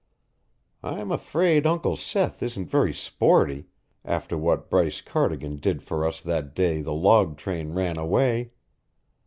I'm afraid Uncle Seth isn't very sporty after what Bryce Cardigan did for us that day the log train ran away.